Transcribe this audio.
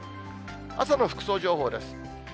朝の服装情報です。